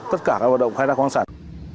tất cả các hoạt động khai thác khoáng sản